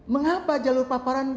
mengapa jalur paparan